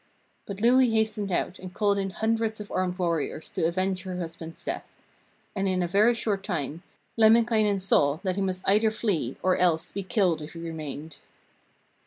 But Louhi hastened out and called in hundreds of armed warriors to avenge her husband's death. And in a very short time Lemminkainen saw that he must either flee or else be killed if he remained.